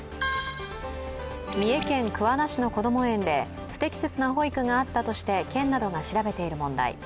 三重県桑名市のこども園で不適切な保育があったとして県などが調べている問題。